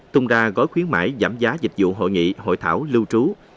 tung ra gói khuyến mại giảm giá dịch vụ hội nghị hội thảo lưu trú